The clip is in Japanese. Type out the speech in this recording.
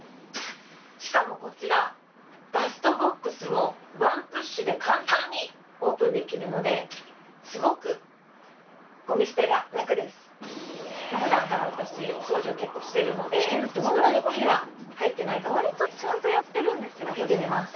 しかもこちらダストボックスもワンプッシュで簡単にオープンできるのですごくゴミ捨てが楽ですふだんから私お掃除は結構してるのでそんなにゴミは入ってないかと思うんですが開けてみます